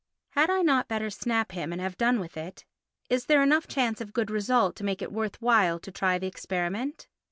Had I not better snap him and have done with it? Is there enough chance of good result to make it worth while to try the experiment?